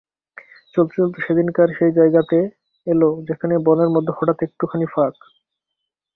চলতে চলতে সেদিনকার সেই জায়গাতে এল যেখানে বনের মধ্যে হঠাৎ একটুখানি ফাঁক।